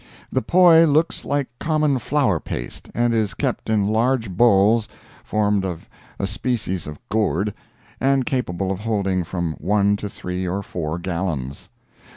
The poi looks like common flour paste, and is kept in large bowls formed of a species of gourd, and capable of holding from one to three or four gallons.